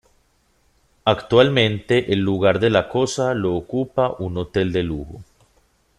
Actualmente el lugar de la cosa lo ocupa un hotel de lujo